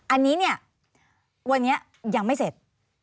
อันนี้เนี่ยวันนี้ยังไม่เสร็จ